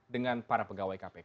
dengan para pegawai kpk